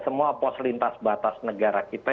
semua pos lintas batas negara kita